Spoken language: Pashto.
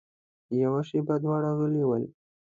يوه شېبه دواړه غلي ول.